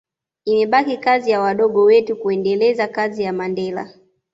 imebaki kazi ya wadogo wetu kuendeleza kazi ya Mandela